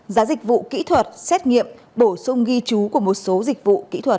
giá dịch vụ kỹ thuật xét nghiệm bổ sung ghi chú của một số dịch vụ kỹ thuật